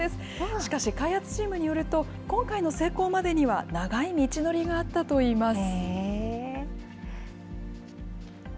しかし開発チームによると、今回の成功までには、長い道のりがあったといいます。